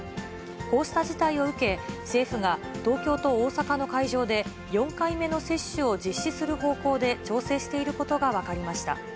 こうした事態を受け、政府が東京と大阪の会場で４回目の接種を実施する方向で調整していることが分かりました。